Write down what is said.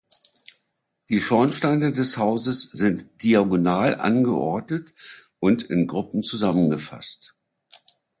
Die Schornsteine des Hauses sind diagonal angeordnet und in Gruppen zusammengefasst.